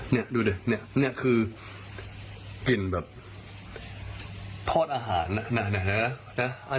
เนี้ยดูดิเนี้ยเนี้ยคือกินแบบทอดอาหารน่ะน่ะเนี้ยเนี้ยเนี้ย